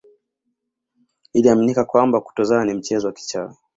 Iliaminika kwamba kutozaa ni mchezo wa kichawi